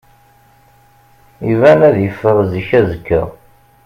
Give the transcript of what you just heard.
Iban ad iffeɣ zik azekka.